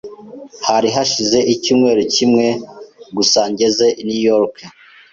Hari hashize icyumweru kimwe gusa ngeze i New York